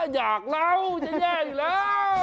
อยากเล่าจะแย่อยู่แล้ว